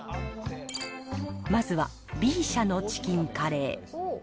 まずはＢ社のチキンカレー。